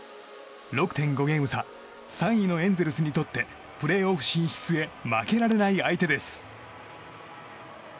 ６．５ゲーム差３位のエンゼルスにとってプレーオフ進出へ負けられない相手です。